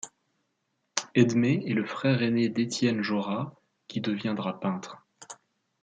Edme est le frère aîné d'Étienne Jeaurat, qui deviendra peintre.